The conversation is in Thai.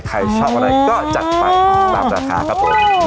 ใครชอบอะไรก็จัดไปตามราคาครับผม